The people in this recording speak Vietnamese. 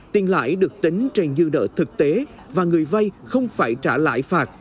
tiền lãi được tính trên dư đỡ thực tế và người vai không phải trả lãi phạt